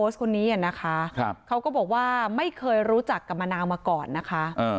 เราไม่เคยรู้จักกับมะนาวมาก่อนนะคะ